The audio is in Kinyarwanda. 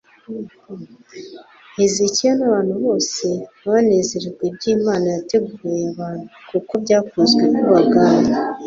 hezekiya n'abantu bose banezererwa ibyo imana yateguriye abantu, kuko byakozwe ikubagahu